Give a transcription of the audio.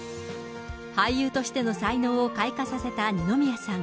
俳優としての才能を開花させた二宮さん。